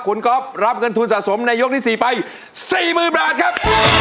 คุณก๊อปรับเงินทุนสะสมในยกที่สี่ไปสี่หมื่นบาทครับ